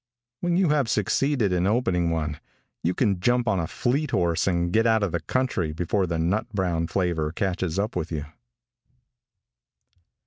When you have succeeded in opening one, you can jump on a fleet horse and get out of the country before the nut brown flavor catches up with you.